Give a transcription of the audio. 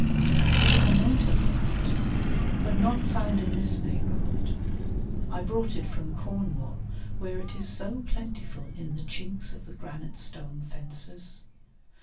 It is a native plant, but not found in this neighbourhood; I brought it from Cornwall, where it is so plentiful in the chinks of the granite stone fences.